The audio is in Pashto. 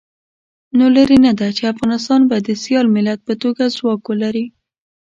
نو لرې نه ده چې افغانستان به د سیال ملت په توګه ځواک ولري.